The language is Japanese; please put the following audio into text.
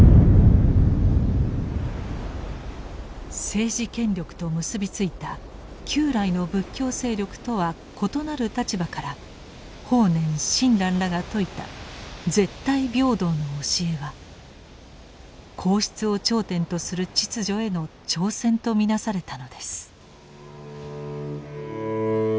政治権力と結び付いた旧来の仏教勢力とは異なる立場から法然・親鸞らが説いた絶対平等の教えは皇室を頂点とする秩序への挑戦と見なされたのです。